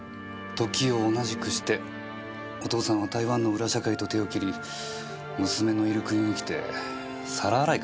時を同じくしてお父さんは台湾の裏社会と手を切り娘のいる国に来て皿洗いから始めてる。